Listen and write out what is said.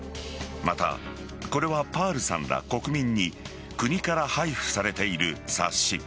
また、これはパールさんら国民に国から配布されている冊子。